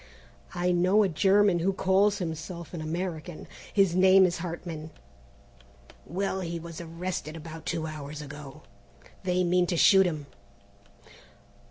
"I know a German who calls himself an American; his name is Hartman." "Well, he was arrested about two hours ago. They mean to shoot him."